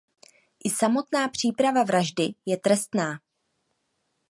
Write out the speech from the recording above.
I samotná příprava vraždy je trestná.